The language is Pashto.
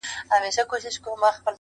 او بحثونه لا روان دي,